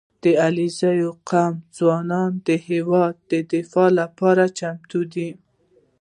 • د علیزي قوم ځوانان د هېواد د دفاع لپاره چمتو دي.